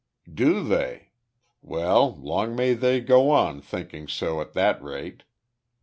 "Do they. Well, long may they go on thinking so at that rate.